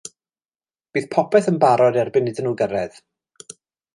Bydd popeth yn barod erbyn iddyn nhw gyrraedd.